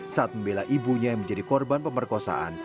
saat membela ibunya yang menjadi korban pemerkosaan